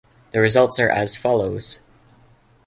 The results are as follows.